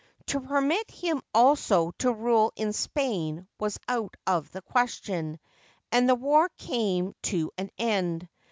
To permit him also to rule in Spain was out of the question, and the war came to an end.